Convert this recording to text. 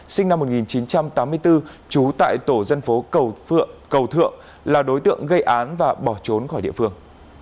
sinh năm một nghìn chín trăm tám mươi bốn trú tại tổ dân phố cầu phượng cầu thượng là đối tượng gây án và bỏ trốn khỏi địa phương